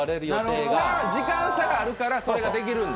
時間差があるからそれができるんだ。